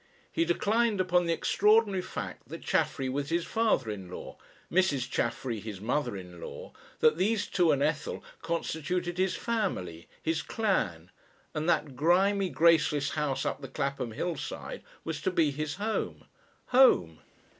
He declined upon the extraordinary fact that Chaffery was his father in law, Mrs. Chaffery his mother in law, that these two and Ethel constituted his family, his clan, and that grimy graceless house up the Clapham hillside was to be his home. Home!